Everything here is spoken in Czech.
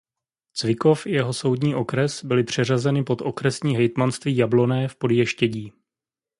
Cvikov i jeho soudní okres byly přeřazeny pod okresní hejtmanství Jablonné v Podještědí.